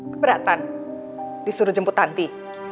keberatan disuruh jemput tanti